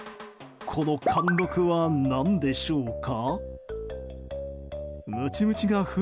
この貫禄は何でしょうか。